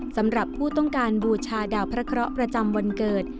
สำหรับผู้ต้องการบูชาดาวพระเคราะห์ประจำวันเกิด